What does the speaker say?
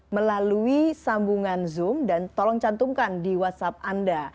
melalui sambungan zoom dan tolong cantumkan di whatsapp anda